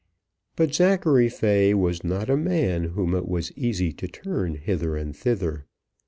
But Zachary Fay was not a man whom it was easy to turn hither and thither.